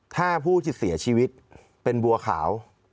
ถ้าผู้ที่เสียชีวิตเป็นบัวขาว